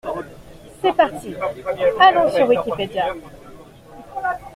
C'est parti, allons sur wikipedia.